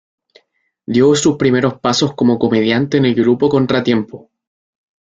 Dio sus primeros pasos como comediante en el grupo Contratiempo.